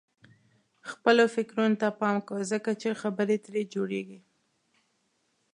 خپلو فکرونو ته پام کوه ځکه چې خبرې ترې جوړيږي.